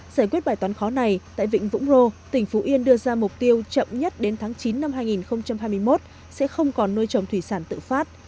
giải quyết bài toán khó này tại vịnh vũng rô tỉnh phú yên đưa ra mục tiêu chậm nhất đến tháng chín năm hai nghìn hai mươi một sẽ không còn nuôi trồng thủy sản tự phát